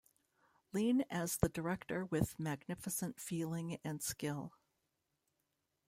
Lean as the director with magnificent feeling and skill.